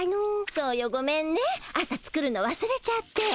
そうよごめんね朝作るのわすれちゃって。